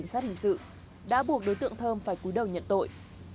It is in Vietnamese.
hình sát hình sự đã buộc đối tượng thơm phải cúi đầu nhận tội